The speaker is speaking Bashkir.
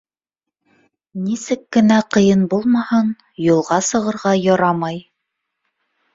Нисек кенә ҡыйын булмаһын — юлға сығырға ярамай.